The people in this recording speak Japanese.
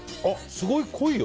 すごい濃いよ。